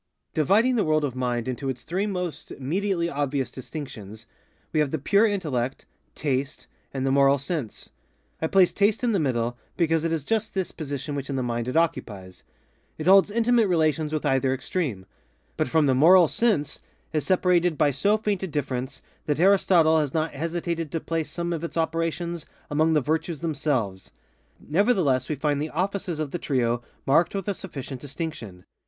Dividing the world of mind into its three most immediately obvious distinctions, we have the Pure Intellect, Taste, and the Moral Sense. I place Taste in the middle, because it is just this position which in the mind it occupies. It holds intimate relations with either extreme; but from the Moral Sense is separated by so faint a difference that Aristotle has not hesitated to place some of its operations among the virtues themselves. Nevertheless we find the _offices _of the trio marked with a sufficient distinction.